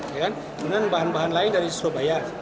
kemudian bahan bahan lain dari surabaya